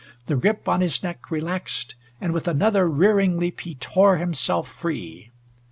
The grip on his neck relaxed, and with another rearing leap he tore himself free.